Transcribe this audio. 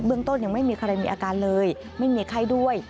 เบื้องต้นยังไม่มีใครมีอาการเลยไม่มีใครด้วย